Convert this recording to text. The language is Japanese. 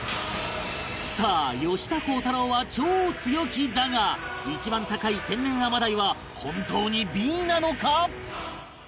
さあ吉田鋼太郎は超強気だが一番高い天然アマダイは本当に Ｂ なのか？